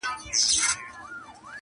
ښه عمل د لاري مل ضرب المثل دی-